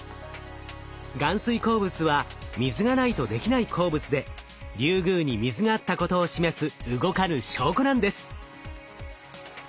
含水鉱物は水がないと出来ない鉱物でリュウグウに水があったことを示す動かぬ証拠なんです。